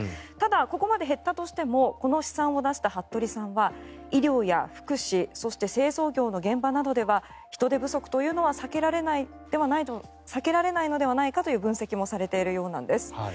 ただ、ここまで減ったとしてもこの試算を出した服部さんは医療や福祉そして清掃業の現場などでは人手不足というのは避けられないのではないかという分析もされているようなんです。